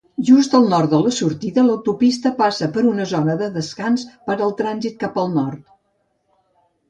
Just al nord de la sortida, l'autopista passa per una zona de descans per al trànsit cap al nord.